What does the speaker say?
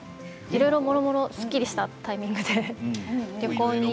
いろいろ、もろもろすっきりしたタイミングで旅行に。